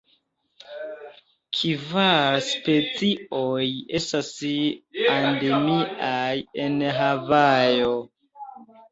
Kvar specioj, estas endemiaj en Havajo.